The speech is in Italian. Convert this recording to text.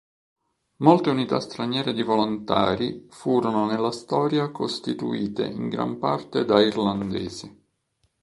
Molte unità straniere di volontari furono nella storia costituite in gran parte da irlandesi.